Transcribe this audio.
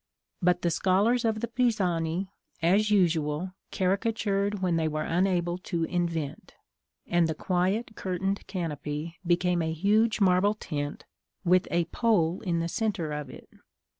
But the scholars of the Pisani, as usual, caricatured when they were unable to invent; and the quiet curtained canopy became a huge marble tent, with a pole in the centre of it.